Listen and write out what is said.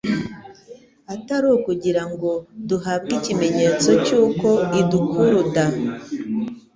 atari ukugira ngo duhabwe ikimenyetso cy'uko idukuruda,